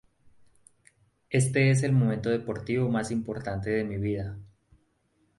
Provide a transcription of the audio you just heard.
Este es el momento deportivo más importante de mi vida.